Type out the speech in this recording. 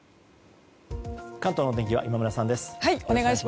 関東のお天気は今村さんです。